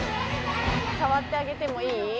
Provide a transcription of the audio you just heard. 触ってあげてもいい？